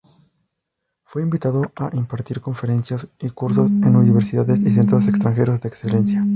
Fue invitado a impartir conferencias y cursos en universidades y centros extranjeros de excelencia.